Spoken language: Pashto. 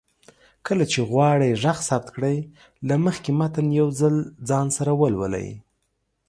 کله چې غواړئ غږ ثبت کړئ، له مخکې متن يو ځل ځان سره ولولئ